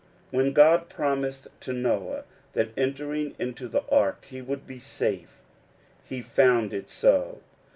When God promised to Noah that entering into the ark he would be safe, he found it so.